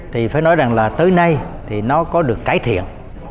thì phải nói rằng là tới nay thì nó có được cải thiện